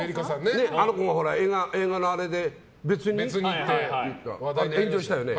あの子が映画のあれで別にって言って炎上したよね。